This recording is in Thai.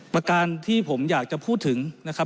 ประการที่ผมอยากจะพูดถึงนะครับ